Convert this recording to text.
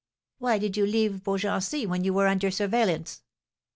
"Why did you leave Beaugency when you were under surveillance?"